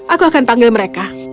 aku akan panggil mereka